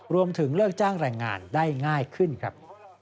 รวมถึงเลิกจ้างแรงงานได้ง่ายขึ้นครับ